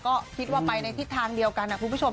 ก็คิดว่าไปในทิศทางเดียวกันนะคุณผู้ชม